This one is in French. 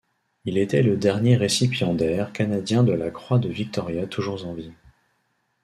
Il était le dernier récipiendaire canadien de la croix de Victoria toujours en vie.